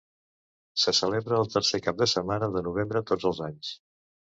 Se celebra el tercer cap de setmana de novembre tots els anys.